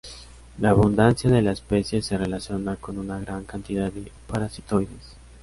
La abundancia de la especie se relaciona con una gran cantidad de parasitoides.